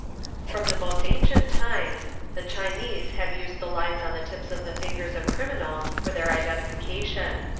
2) From the most ancient times the Chinese have used the lines on th tips of the fingers of criminals for their identification.